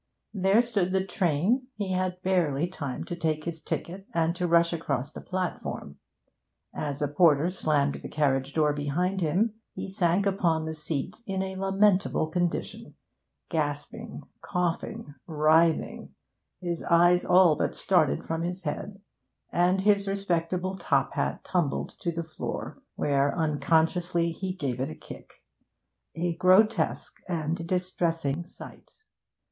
There stood the train; he had barely time to take his ticket and to rush across the platform. As a porter slammed the carriage door behind him, he sank upon the seat in a lamentable condition, gasping, coughing, writhing; his eyes all but started from his head, and his respectable top hat tumbled to the floor, where unconsciously he gave it a kick. A grotesque and distressing sight.